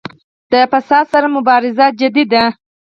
د فساد سره مبارزه جدي ده؟